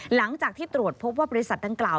หลังจากที่ตรวจพบว่าบริษัทดังกล่าว